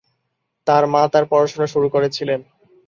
তার মা তার পড়াশোনা শুরু করেছিলেন।